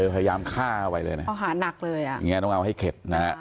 พยายามฆ่าเข้าไปเลยต้องเอาให้เข็ด